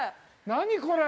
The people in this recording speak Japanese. ◆何、これ！